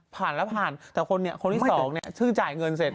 ผ่านแล้วผ่านแต่คนที่๒ชื่นจ่ายเงินเสร็จ